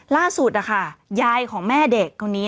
ล่าสุดนะคะยายของแม่เด็กคนนี้